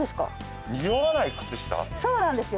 そうなんですよ